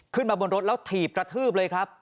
ขึ้นมาบนรถแล้วถีบกระทืบเลยครับ